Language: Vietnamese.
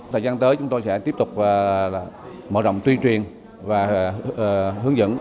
thời gian tới chúng tôi sẽ tiếp tục mở rộng tuyên truyền và hướng dẫn